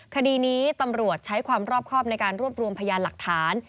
คดีนี้ตำรวจใช้ความรอบครอบในการรวบรวมพยานหลักฐาน